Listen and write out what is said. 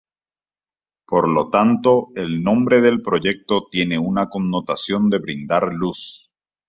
Por lo tanto el nombre del proyecto tiene una connotación de brindar "luz".